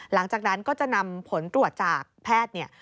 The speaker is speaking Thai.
หลังจากนั้นก็จะนำผลตรวจจากแพทย์เนี่ย